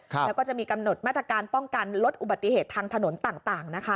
แล้วก็จะมีกำหนดมาตรการป้องกันลดอุบัติเหตุทางถนนต่างนะคะ